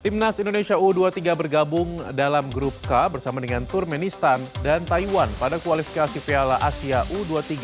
timnas indonesia u dua puluh tiga bergabung dalam grup k bersama dengan turmenistan dan taiwan pada kualifikasi piala asia u dua puluh tiga